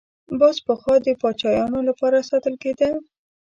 باز پخوا د پاچایانو لپاره ساتل کېده